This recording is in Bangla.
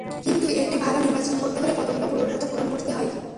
কিন্তু একটি ভালো নির্বাচন করতে হলে কতগুলো পূর্বশর্ত পূরণ করতে হয়।